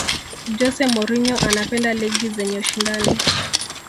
jose mourinho anapenda ligi zenye ushindani